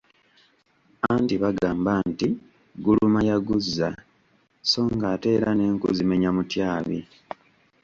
Anti bagamba nti, "Guluma yaguza…."so ng'ate era "n'enku zimenya mutyabi".